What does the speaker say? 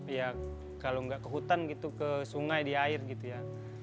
ya kalau nggak ke hutan gitu ke sungai di air gitu ya